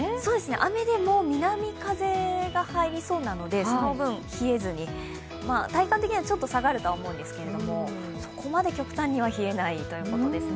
雨でも南風が入りそうなのでその分、冷えずに、体感的には下がるとは思うんですけどそこまで極端には冷えないということですね。